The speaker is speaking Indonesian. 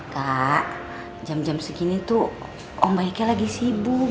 kak jam jam segini tuh om baiknya lagi sibuk